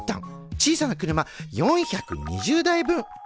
小さな車４２０台分。